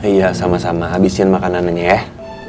iya sama sama habisin makanannya ya